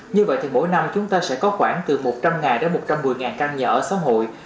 như vậy thì mỗi năm chúng ta sẽ có khoảng từ một trăm linh đến một trăm một mươi căn nhà ở xã hội